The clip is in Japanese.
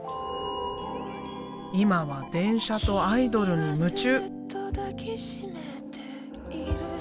今は電車とアイドルに夢中！